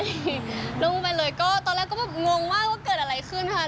ลงไปเลยก็ตอนแรกก็แบบงงมากว่าเกิดอะไรขึ้นค่ะ